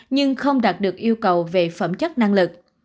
nhưng không đạt được yêu cầu về phẩm chất năng lực